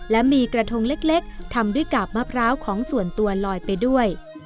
และมีกระทงเล็กทำด้วยกาบมะพร้าวของส่วนตัวลอยไปด้วย